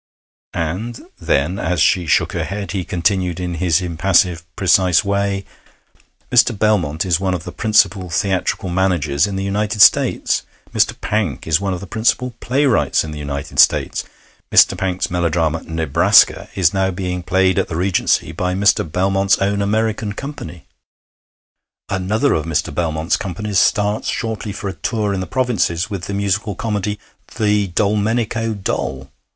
And then, as she shook her head, he continued in his impassive, precise way: 'Mr. Belmont is one of the principal theatrical managers in the United States. Mr. Pank is one of the principal playwrights in the United States. Mr. Pank's melodrama 'Nebraska' is now being played at the Regency by Mr. Belmont's own American company. Another of Mr. Belmont's companies starts shortly for a tour in the provinces with the musical comedy 'The Dolmenico Doll.'